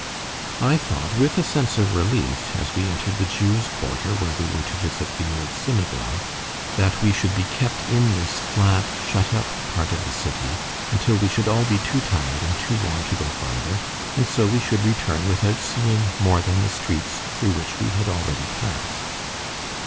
I thought with a sense of relief, as we entered the Jews' quarter, where we were to visit the old synagogue, that we should be kept in this flat, shut up part of the city, until we should all be too tired and too warm to go farther, and so we should return without seeing more than the streets through which we had already passed.